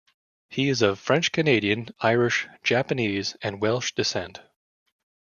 He is of French Canadian, Irish, Japanese, and Welsh descent.